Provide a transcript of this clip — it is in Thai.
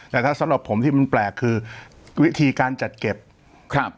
แต่ถ้าสำหรับผมที่มันแปลกคือวิธีการจัดเก็บครับ